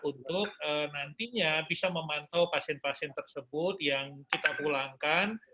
untuk nantinya bisa memantau pasien pasien tersebut yang kita pulangkan